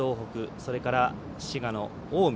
それから、滋賀の近江。